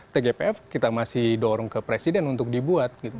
tgpf kita masih dorong ke presiden untuk dibuat